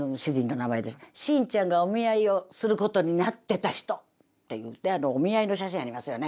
「シンちゃんがお見合いをすることになってた人」って言うてお見合いの写真ありますよね？